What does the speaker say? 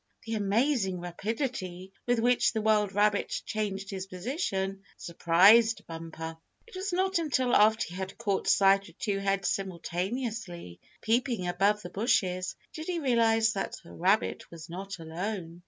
The amazing rapidity with which the wild rabbit changed his position surprised Bumper. It was not until after he had caught sight of two heads simultaneously peeping above the bushes did he realize that the rabbit was not alone.